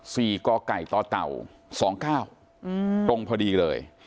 สี่ก่อกไก่ต่อเต่า๒๙ตรงพอดีเลย